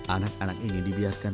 anak anak ini dibiarkan